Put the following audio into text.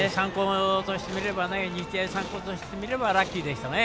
三高としてみればラッキーでしたね。